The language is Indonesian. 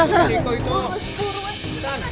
mas suruh mas